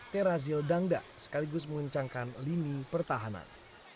terrazil dangda sekaligus mengencangkan lini pertahanan